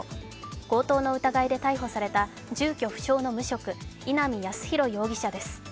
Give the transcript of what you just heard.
強盗の疑いで逮捕された住居不詳の無職、稲見康博容疑者です。